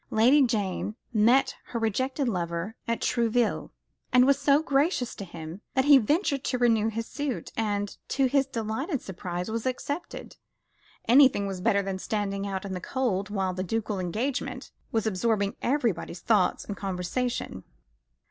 Lady Jane met her rejected lover at Trouville, and was so gracious to him that he ventured to renew his suit, and, to his delighted surprise, was accepted. Anything was better than standing out in the cold while the ducal engagement was absorbing everybody's thoughts and conversation.